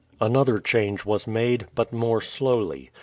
Another change was made, but more slowly.